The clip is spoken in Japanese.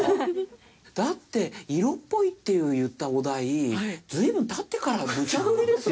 だって色っぽいって言ったお題随分経ってからむちゃぶりですよ。